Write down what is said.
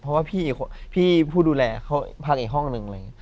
เพราะว่าพี่ผู้ดูแลเขาพักอีกห้องหนึ่ง